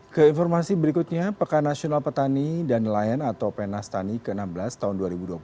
ke informasi berikutnya pekan nasional petani dan nelayan atau penastani ke enam belas tahun dua ribu dua puluh satu